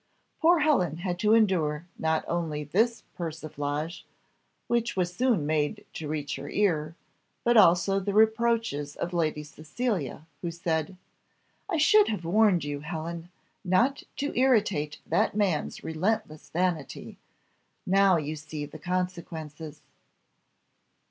Poor Helen had to endure not only this persiflage, which was soon made to reach her ear, but also the reproaches of Lady Cecilia, who said, "I should have warned you, Helen, not to irritate that man's relentless vanity; now you see the consequences."